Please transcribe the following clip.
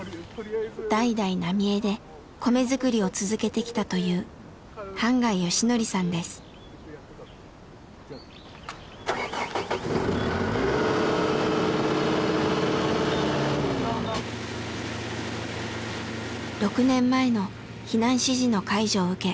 代々浪江で米作りを続けてきたという６年前の避難指示の解除を受け